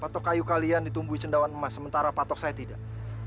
patok kayu kalian ditumbuhi cendawan emas sementara patok saya tidak